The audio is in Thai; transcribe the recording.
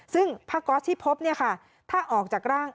ซึ่งผ้าก๊อสที่พบถ้าออกจากร่าง